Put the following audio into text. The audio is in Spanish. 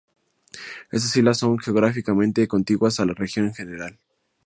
Estas islas son geográficamente contiguas a la región en general.